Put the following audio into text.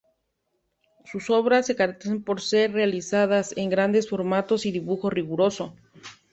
Sus obras se caracterizan por ser realizadas en grandes formatos y dibujo riguroso.